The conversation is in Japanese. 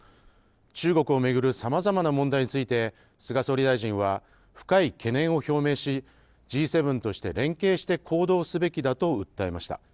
中国を巡るさまざまな問題について、菅総理大臣は深い懸念を表明し、Ｇ７として連携して行動すべきだと訴えました。